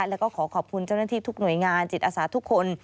แล้วก็ขอขอบคุณเจ้าหน้าที่ทุกหน่วยงานจิตอาสาทุกคน